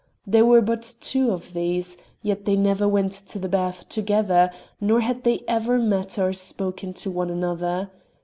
There were but two of these, yet they never went to the bath together, nor had they ever met or spoken to one another.